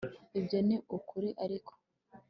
ibyo ni ukuri ariko